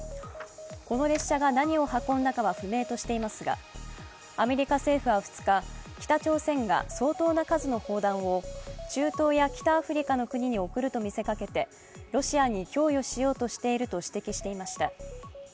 この列車が何を運んだかは不明としていますがアメリカ政府は２日、北朝鮮が相当な数の砲弾を中東や北アフリカの国に送ると見せかけて、ロシアに供与しようとしていると指摘しました。